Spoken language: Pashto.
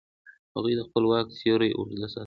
هغوی د خپل واک سیوری اوږده ساته.